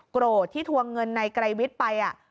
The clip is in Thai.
โกรธที่ทวงเงินในไกรวิทย์ไป